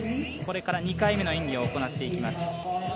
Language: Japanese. これから２回目の演技を行っていきます。